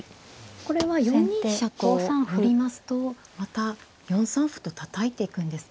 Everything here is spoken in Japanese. これは４二飛車と寄りますとまた４三歩とたたいていくんですか。